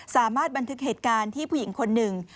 สามารถบันทึกเหตุการณ์ที่ผู้หญิงคนหนึ่ง